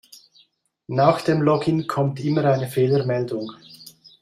Nach dem Login kommt immer eine Fehlermeldung.